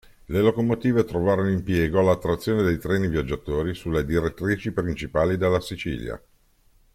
Le locomotive trovarono impiego alla trazione dei treni viaggiatori sulle direttrici principali della Sicilia.